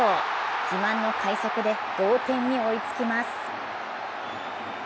自慢の快足で同点に追いつきます。